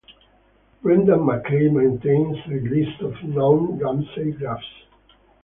Brendan McKay maintains a list of known Ramsey graphs.